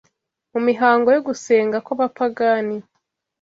mu mihango yo gusenga kw’abapagani,